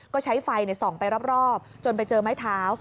ก็ใช้ไฟส่องไปรอบจนไปเจอไม้เท้า